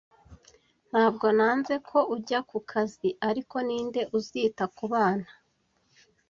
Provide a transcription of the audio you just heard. Ntabwo nanze ko ujya ku kazi, ariko ninde uzita ku bana?